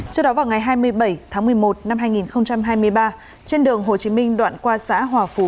trước đó vào ngày hai mươi bảy tháng một mươi một năm hai nghìn hai mươi ba trên đường hồ chí minh đoạn qua xã hòa phú